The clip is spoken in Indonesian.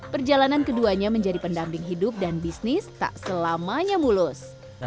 perjalanan keduanya menjadi pendamping hidup dan bisnis tak selamanya mulus